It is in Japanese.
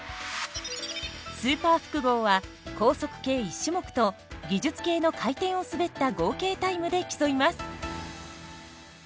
スーパー複合は、高速系１種目と技術系の回転を滑った合計タイムで競います。